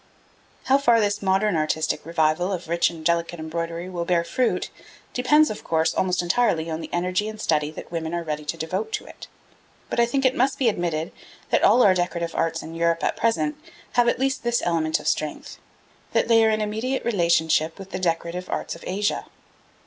How far this modern artistic revival of rich and delicate embroidery will bear fruit depends, of course, almost entirely on the energy and study that women are ready to devote to it; but I think that it must be admitted that all our decorative arts in Europe at present have, at least, this element of strength that they are in immediate relationship with the decorative arts of Asia.